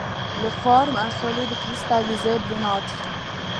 Le forme un solide cristallisé brunâtre.